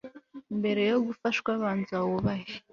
Mbere yo gufashwa banza wubahe